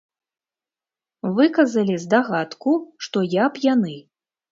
Выказалі здагадку, што я п'яны.